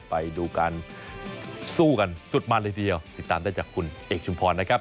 ไปดูการสู้กันสุดมันเลยทีเดียวติดตามได้จากคุณเอกชุมพรนะครับ